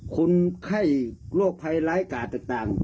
คุณไข้โรคไพล้กาจต่าง